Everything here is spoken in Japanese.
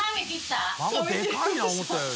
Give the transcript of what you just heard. でかいな思ったより。